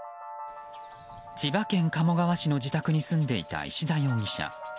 千葉県鴨川市の自宅に住んでいた石田容疑者。